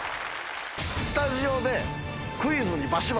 スタジオで。